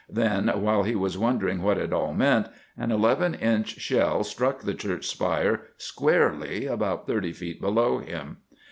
Then, while he was wondering what it all meant, an eleven inch shell struck the church spire squarely about thirty feet below him.